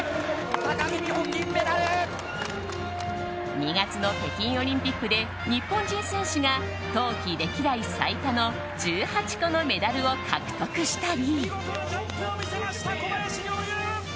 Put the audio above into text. ２月の北京オリンピックで日本人選手が冬季歴代最多の１８個のメダルを獲得したり。